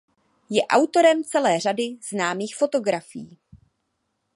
Je autorem celé řady známých fotografií.